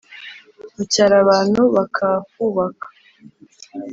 mu cyaro, abantu bakahubaka